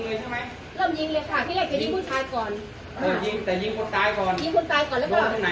คือเค้าถือมาร่ะ